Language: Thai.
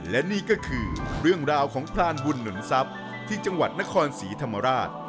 และนี่ก็คือเรื่องราวของพรานบุญหนุนทรัพย์ที่จังหวัดนครศรีธรรมราช